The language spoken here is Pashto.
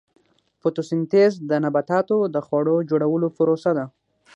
فوتوسنتیز د نباتاتو د خوړو جوړولو پروسه ده